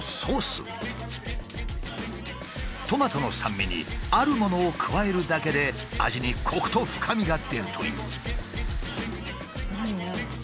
トマトの酸味にあるものを加えるだけで味にコクと深みが出るという。